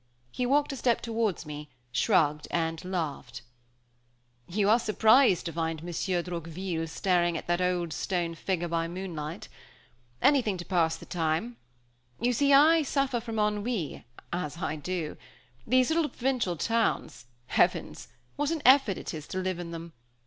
He walked a step towards me, shrugged and laughed: "You are surprised to find Monsieur Droqville staring at that old stone figure by moonlight. Anything to pass the time. You, I see, suffer from ennui, as I do. These little provincial towns! Heavens! what an effort it is to live in them!